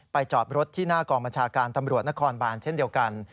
จอดรถที่หน้ากองบัญชาการตำรวจนครบานเช่นเดียวกัน